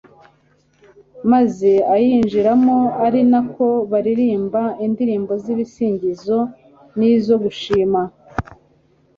maze ayinjiramo ari na ko baririmba indirimbo z'ibisingizo n'izo gushimira